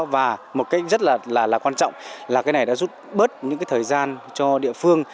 và một cái rất là quan trọng là cái này đã giúp bớt những thời gian cho địa phương